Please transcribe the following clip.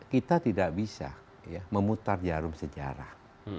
kita tidak bisa memutar jarum sejarah